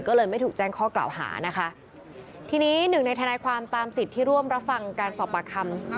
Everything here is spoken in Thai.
ก็เลยไม่ถูกแจ้งข้อกล่าวหานะคะทีนี้หนึ่งในทนายความตามสิทธิ์ที่ร่วมรับฟังการสอบปากคำ